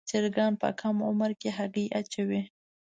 چرګان په کم عمر کې هګۍ اچوي.